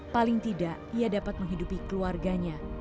paling tidak ia dapat menghidupi keluarganya